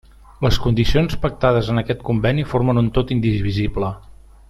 Les condicions pactades en aquest conveni formen un tot indivisible.